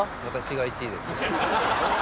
私が１位です。